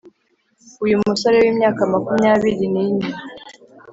Uyu musore w’imyaka makumyabiri nine